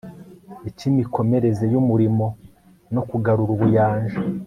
icy imikomereze y umurimo no kugarura ubuyanja